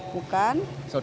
bukan ya kan